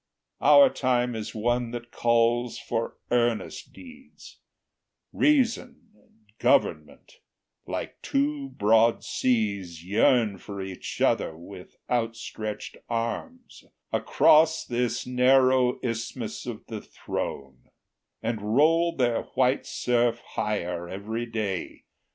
Our time is one that calls for earnest deeds: Reason and Government, like two broad seas, Yearn for each other with outstretched arms Across this narrow isthmus of the throne, And roll their white surf higher every day.